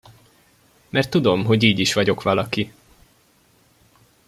Mert tudom, hogy így is vagyok valaki!